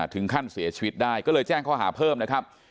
ถึงขั้นเสียชีวิตได้ก็เลยแจ้งข้อหาเพิ่มนะครับ